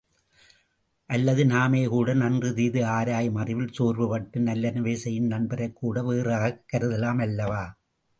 அல்லது நாமேகூட நன்று தீது ஆராயும் அறிவில் சோர்வுபட்டு நல்லனவே செய்யும் நண்பரைக் கூட வேறாகக் கருதலாம் அல்லவா?